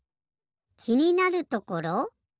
きになるところ？